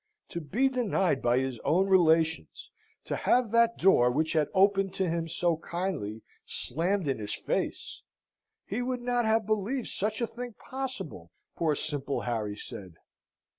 To be denied by his own relations to have that door which had opened to him so kindly, slammed in his face! He would not have believed such a thing possible, poor simple Harry said.